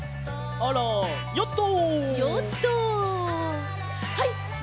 あらヨット！